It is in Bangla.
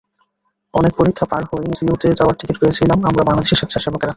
অনেক পরীক্ষা পার হয়েই রিওতে যাওয়ার টিকিট পেয়েছিলাম আমরা বাংলাদেশি স্বেচ্ছাসেবকেরা।